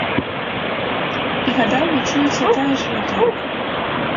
І гадамі чуецца тая ж рыторыка.